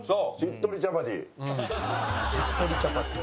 「しっとりチャパティ」